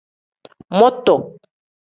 Mutu.